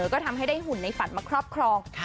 ก็ทำให้ได้หุ่นในฝันมาครอบครอง